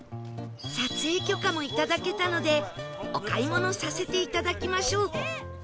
撮影許可もいただけたのでお買い物させていただきましょう